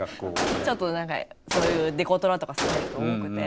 ちょっとそういうデコトラとか好きな人多くて。